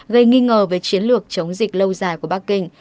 gây nghi ngờ về chiến lược chống dịch lâu dài của bắc kinh